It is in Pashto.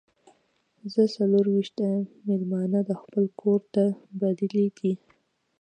زه څلور ویشت میلمانه د خپل کور ته بللي دي.